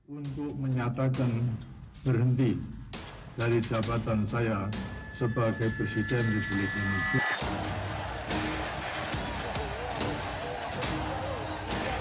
untuk menyatakan berhenti dari jabatan saya sebagai presiden republik indonesia